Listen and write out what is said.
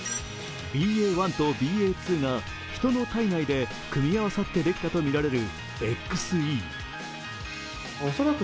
ＢＡ．１とＢＡ．２が人の体内で組み合わさってできたとみられるＸＥ。